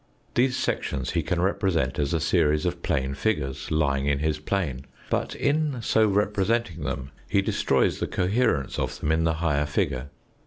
These sec tions he can represent as a series of plane figures lying in his plane, but in so representing them he destroys the coherence of them in the higher figure.